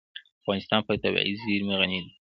افغانستان په طبیعي زیرمې غني دی.